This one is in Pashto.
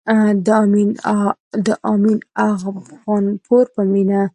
د امين افغانپور په مړينه